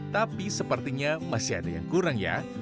tapi sepertinya masih ada yang kurang ya